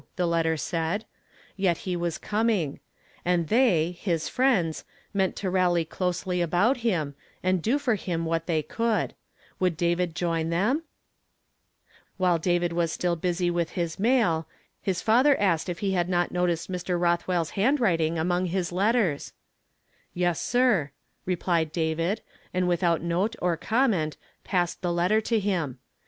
the letter said, yet he was coming; and they, his Inends, meant to rally closely about him, and do lor him what they could. Would David ioin them ?While David was still busy with his mail, his ffraHff n f i 1 i 294 YESTEllDAY FRAMED IN TO DAY. father asked if he liad not noticed Mr. Rothwell\s handwriting among liis letters. "Yes, sir," replied David, and without note or comment passed the letter to him.